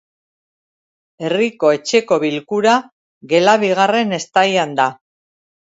Herriko Etxeko bilkura gela bigarren estaian da.